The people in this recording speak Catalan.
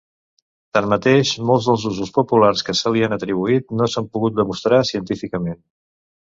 Tanmateix, molts dels usos populars que se li han atribuït no s'han pogut demostrar científicament.